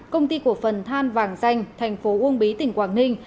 công ty cổ phần than vàng danh thành phố uông bí tỉnh quảng ninh